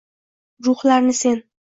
Ruhlarni sen